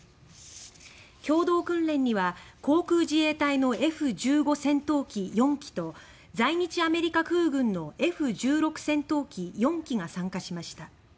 共同訓練には航空自衛隊のＦ１５戦闘機４機と在日アメリカ空軍のＦ１６戦闘機４機が参加しました。